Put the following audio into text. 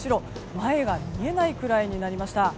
前が見えないくらいになりました。